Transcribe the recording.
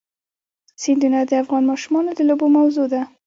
سیندونه د افغان ماشومانو د لوبو موضوع ده.